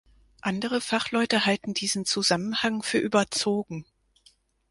Andere Fachleute halten diesen Zusammenhang für überzogen.